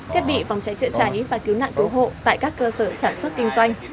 thiết bị phòng cháy chữa cháy và cứu nạn cứu hộ tại các cơ sở sản xuất kinh doanh